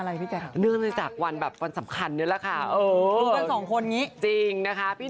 เล่นได้ค่ะ